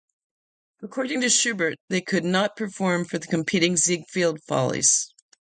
According to Shubert, they could not perform for the competing "Ziegfeld Follies".